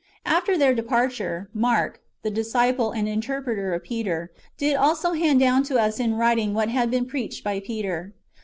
After their departure, Mark, the disciple and interpreter of Peter, did also hand down to us in writing what had been preached by Peter.